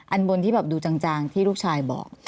อันบนที่แบบดูจางที่ลูกชายบอก